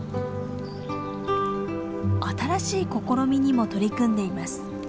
新しい試みにも取り組んでいます。